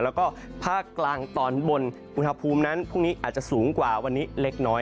แล้วก็ภาคกลางตอนบนอุณหภูมินั้นพรุ่งนี้อาจจะสูงกว่าวันนี้เล็กน้อย